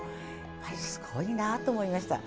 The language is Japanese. やっぱりすごいなと思いました。